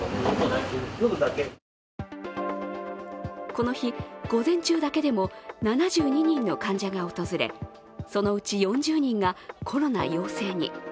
この日、午前中だけでも７２人の患者が訪れそのうち４０人がコロナ陽性に。